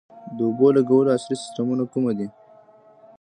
د اوبو لګولو عصري سیستمونه کوم دي؟